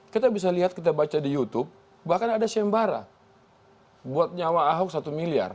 kita bisa lihat kita baca di youtube bahkan ada syembara buat nyawa ahok satu miliar